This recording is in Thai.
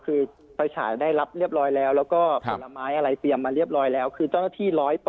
ฝราษาได้รับเรียบร้อยแล้วแล้วก็ปารมไม้อะไรเตรียมมาเรียบร้อยแล้วคือข้อที่